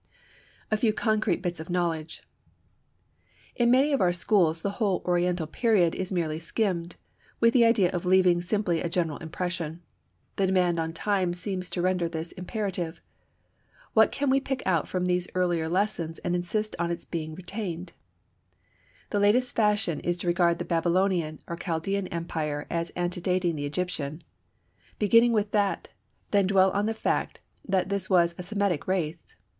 A Few Concrete Bits of Knowledge. In many of our schools the whole Oriental period is merely skimmed, with the idea of leaving simply a general impression. The demand on time seems to render this imperative. What can we pick out from these earlier lessons and insist on its being retained? The latest fashion is to regard the Babylonian or Chaldean Empire as antedating the Egyptian. Beginning with that, then dwell on the fact that this was a Semitic race.